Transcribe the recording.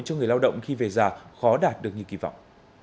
cho người lao động khi về già khó đạt được như kỳ vọng